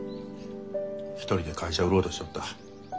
一人で会社売ろうとしとった。